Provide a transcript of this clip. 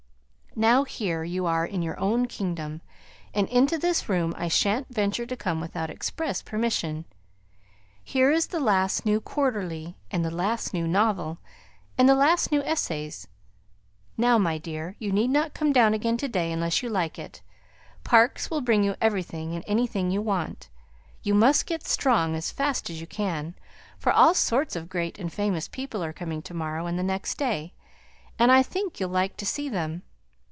"Now, here you are in your own kingdom; and into this room I shan't venture to come without express permission. Here is the last new Quarterly, and the last new novel, and the last new Essays. Now, my dear, you needn't come down again to day unless you like it. Parkes shall bring you everything and anything you want. You must get strong as fast as you can, for all sorts of great and famous people are coming to morrow and the next day, and I think you'll like to see them.